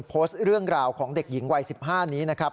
โพสต์เรื่องราวของเด็กหญิงวัย๑๕นี้นะครับ